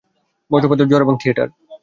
বজ্রপাত, ঝড় এবং থিয়েটার।